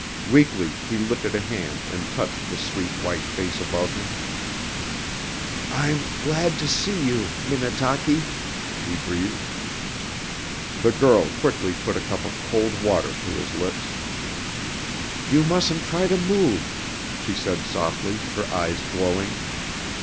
Weakly he lifted a hand and touched the sweet, white face above him. "I'm glad to see you Minnetaki " he breathed. The girl quickly put a cup of cold water to his lips. "You mustn't try to move," she said softly, her eyes glowing.